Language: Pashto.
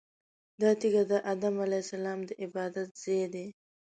دا تیږه د ادم علیه السلام د عبادت ځای دی.